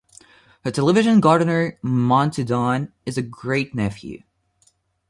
The television gardener Monty Don is a great-nephew.